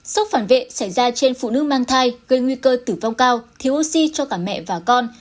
sốc phản vệ xảy ra trên phụ nữ mang thai gây nguy cơ tử vong cao thiếu oxy cho cả mẹ và con